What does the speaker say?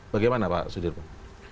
bagaimana pak sudirman